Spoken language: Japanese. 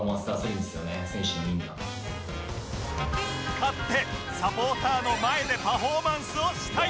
勝ってサポーターの前でパフォーマンスをしたい！